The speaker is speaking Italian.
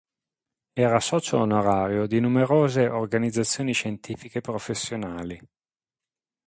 Era socio onorario di numerose organizzazioni scientifiche professionali.